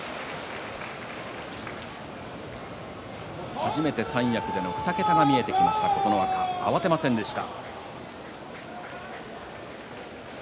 初めて三役での２桁が見えてきました慌てませんでした。